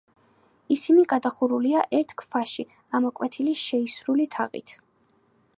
ისინი გადახურულია ერთ ქვაში ამოკვეთილი შეისრული თაღით.